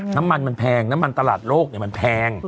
น้ำมันมันแพงน้ำมันตลาดโลกมันแพง